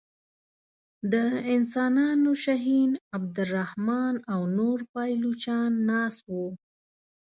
د انسانانو شهین عبدالرحمن او نور پایلوچان ناست وه.